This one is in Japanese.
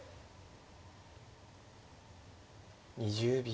２０秒。